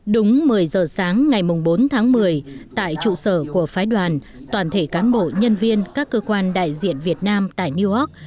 đúng một mươi giờ sáng ngày bốn tháng một mươi tại trụ sở của phái đoàn toàn thể cán bộ nhân viên các cơ quan đại diện việt nam tại new york